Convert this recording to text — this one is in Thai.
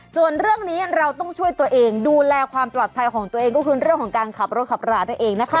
ส่วนเรื่องนี้เราต้องช่วยตัวเองดูแลความปลอดภัยของตัวเองก็คือเรื่องของการขับรถขับรานั่นเองนะคะ